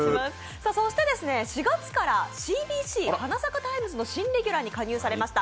４月からＣＢＣ「花咲かタイムズ」の新レギュラーに加入されました